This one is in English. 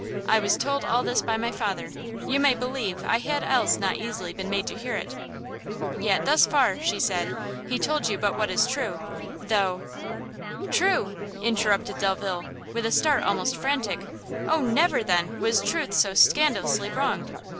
I was told all this by my father; you may believe I had else not easily been made hear it!" "Yet thus far," said she, "he told you but what is true; though " "True!" interrupted Delvile, with a start almost frantic. "Oh never, then, was truth so scandalously wronged!